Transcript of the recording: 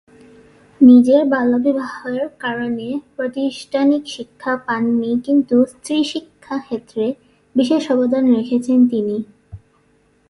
নিজের বাল্যবিবাহের কারণে প্রাতিষ্ঠানিক শিক্ষা পাননি কিন্তু স্ত্রী শিক্ষা ক্ষেত্রে বিশেষ অবদান রেখেছেন তিনি।